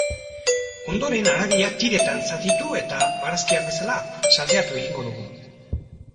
Ondoren haragia tiretan zatitu eta, barazkiak bezala, salteatu egingo dugu.